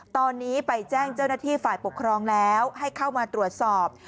ตอนนี้ไปแจ้งเจ้าหน้าที่ฝ่ายปกครองแล้วให้เข้ามาตรวจสอบ